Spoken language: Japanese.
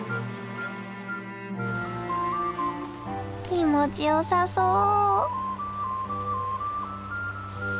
気持ちよさそう。